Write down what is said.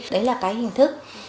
đấy là cái hình thức